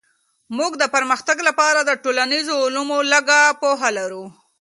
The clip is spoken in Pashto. موږ د پرمختګ لپاره د ټولنيزو علومو لږه پوهه لرو.